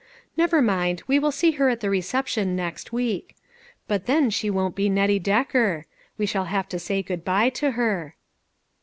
Never mind, we will see her at the reception next week ; but then, she won't be Nettie Decker; we shall have to say good by to her."